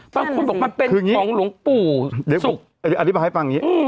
บางคนบอกว่าเป็นของหลวงปู่สุกแค่นี้เดี๋ยวผมอธิบายฟังงี้